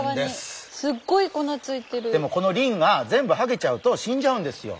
でもこのりんが全部はげちゃうと死んじゃうんですよ。